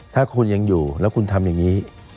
ถ้าคุณยังอยู่แล้วคุณทำอย่างนี้